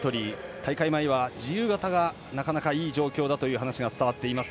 大会前は自由形がなかなかいい状況だと伝わっています。